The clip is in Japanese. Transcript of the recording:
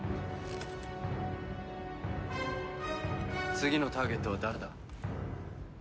次のターゲットは誰だ？